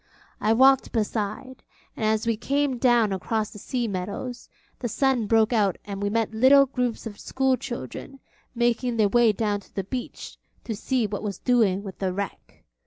I walked beside, and as we came down across the sea meadows, the sun broke out and we met little groups of schoolchildren making their way down to the beach to see what was doing with the wreck.